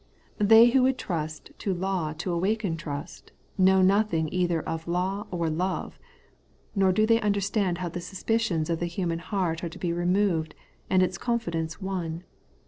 They who would trust to law to awaken trust, know nothing either of law or love; nor do they understand how the suspicions of the human heart are to be removed, and its confidence won.